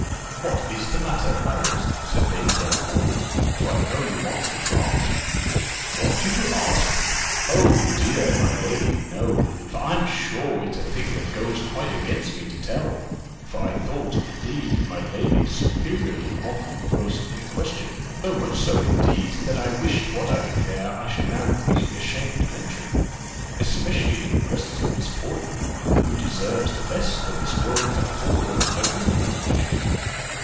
"What is the matter, Marriott?" said Lady Delacour; "for I know you want me to ask." "Want you to ask! Oh, dear, my lady, no! for I'm sure, it's a thing that goes quite against me to tell; for I thought, indeed, my lady, superiorly of the person in question; so much so, indeed, that I wished what I declare I should now be ashamed to mention, especially in the presence of Miss Portman, who deserves the best that this world can afford of every denomination.